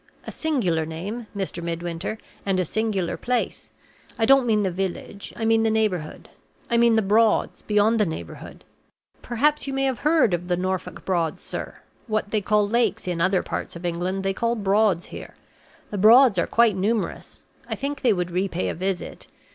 A singular name, Mr. Midwinter, and a singular place; I don't mean the village; I mean the neighborhood I mean the 'Broads' beyond the neighborhood. Perhaps you may have heard of the Norfolk Broads, sir? What they call lakes in other parts of England, they call Broads here. The Broads are quite numerous; I think they would repay a visit.